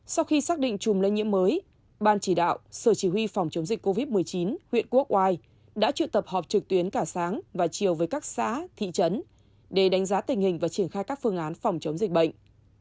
sau khi xác định chùm lây nhiễm mới ban chỉ đạo sở chỉ huy phòng chống dịch covid một mươi chín huyện quốc oai đã trự tập họp trực tuyến cả sáng và chiều với các xã thị trấn để đánh giá tình hình và triển khai các phương án phòng chống dịch bệnh